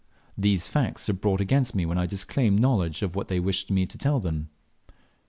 These facts are brought against me when I disclaim knowledge of what they wish me to tell them.